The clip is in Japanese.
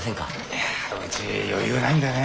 ・いやうち余裕ないんだよね。